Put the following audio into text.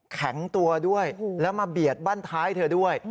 แข็งตัวด้วยแล้วมาเบียดบ้านท้ายเธอด้วย